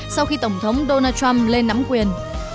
sau khi tổng thống donald trump lên nắm quyền